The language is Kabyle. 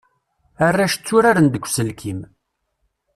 Arac tturaren deg uselkim.